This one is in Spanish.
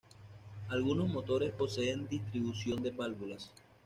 Algunos motores poseen distribución de válvulas.